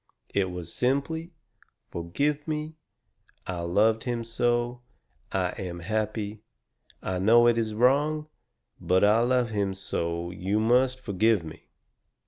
It was simply: 'FORGIVE ME. I LOVED HIM SO. I AM HAPPY. I KNOW IT IS WRONG, BUT I LOVE HIM SO YOU MUST FORGIVE ME.'"